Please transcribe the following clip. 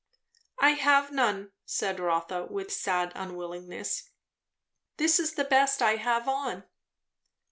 "I have none," said Rotha, with sad unwillingness. "This is the best I have on."